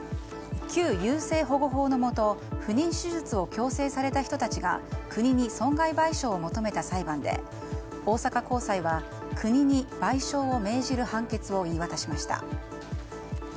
旧優生保護法のもと不妊手術を強制された人たちが国に損害賠償を求めた裁判で大阪高裁は国に賠償を命じる判決を言い渡しました。